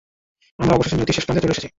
আমরা অবশেষে নিয়তির শেষ প্রান্তে চলে এসেছি!